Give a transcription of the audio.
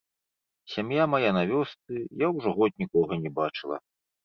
Сям'я мая на вёсцы, я ўжо год нікога не бачыла.